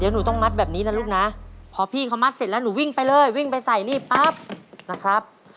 หนูวิ่งไปเลยวิ่งไปใส่นี่ปั๊บนะครับ